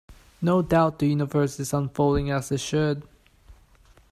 No doubt the universe is unfolding as it should.